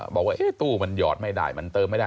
บอกว่าตู้มันหยอดไม่ได้มันเติมไม่ได้